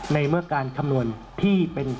ในเมื่อการคำนวณที่เป็น